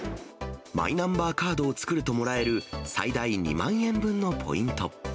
マイナンバーカードを作るともらえる、最大２万円分のポイント。